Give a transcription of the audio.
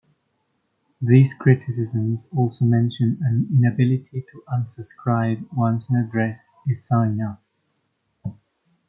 These criticisms also mention an inability to unsubscribe once an address is signed up.